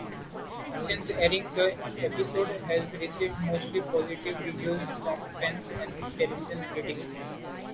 Since airing, the episode has received mostly positive reviews from fans and television critics.